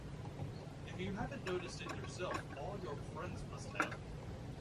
If you haven't noticed it yourself all your friends must have.